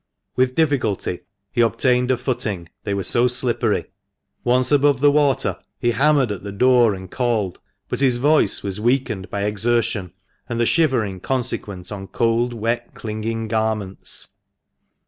With difficulty he obtained a footing, they were so slippery. Once above the water, he hammered at the door and called, but his voice was weakened by exertion and the shivering consequent on cold, wet, clinging garments.